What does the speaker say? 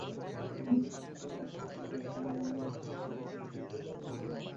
শনিবার সকাল আটটার দিকে তিনি মোটরসাইকেল নিয়ে বাড়ি থেকে বের হন।